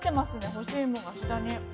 干しいもが下に。